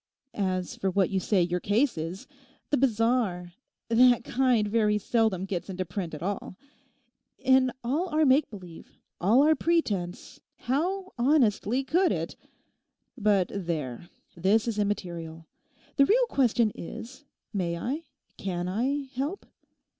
As for what you say your case is, the bizarre—that kind very seldom gets into print at all. In all our make believe, all our pretence, how, honestly, could it? But there, this is immaterial. The real question is, may I, can I help?